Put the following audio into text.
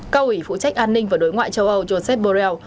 cao ủy phụ trách an ninh và đối ngoại châu âu joseph borrell